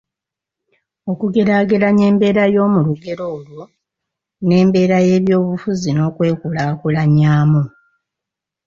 okugeraageranya embeera y’omu lugero olwo n’embeera y’ebyobufuzi n’okwekulaakulanya mu